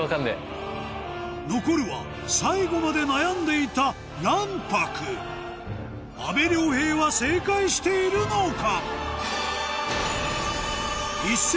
残るは最後まで悩んでいた卵白阿部亮平は正解しているのか？